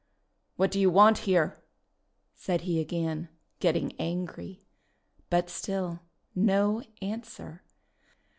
"What do you want here?" said he again, getting angry. But still no answer.